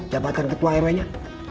jabatan ketua rw nya